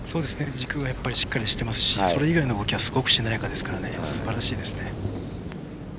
軸がしっかりしてますしそれ以外の動きはすごくしなやかなのですばらしいですね。